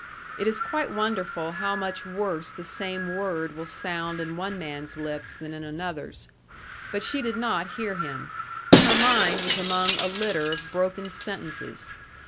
It is quite wonderful how much worse the same word will sound in one man's lips than in another's. But she did not hear him. Her mind was among a litter of broken sentences.